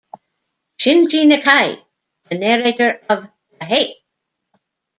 Shinji Nakae the narrator of the Hey!